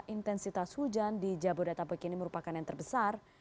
intensitas hujan di jabodetabek ini merupakan yang terbesar